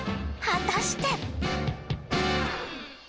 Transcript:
果たして。